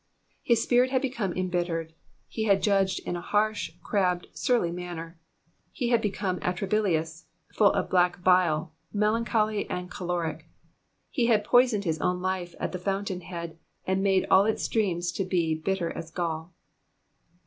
His spirit bad become embittered ; he had judged in a harsh, crabbed, surly manner. He had be come atrabilarious, full of black bile, melancholy, and choleric ; he had poisoned his own life at the fountain head, and made all its streams to be bitter as gall.